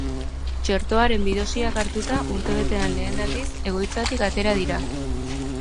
Txertoaren bi dosiak hartuta, urtebetean lehen aldiz, egoitzatik atera dira.